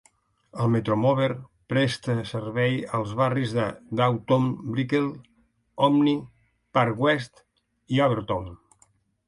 El Metromover presta servei als barris de Downtown, Brickell, Omni, Park West i Overtown.